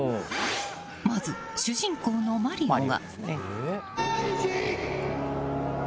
まず、主人公のマリオが。